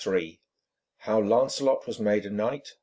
III HOW LANCELOT WAS MADE A KNIGHT.